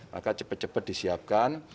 maka cepat cepat disiapkan